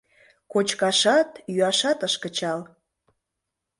Кочкашат, йӱашат ыш кычал.